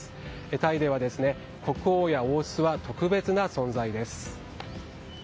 タイでは国王や王室は特別な存在です。